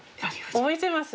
覚えてます？